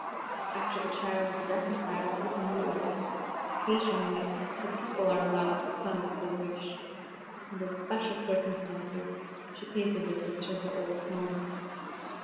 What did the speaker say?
After the child is reconciled to her new life, occasionally her people are allowed to come if they wish; and in special circumstances she pays a visit to her old home.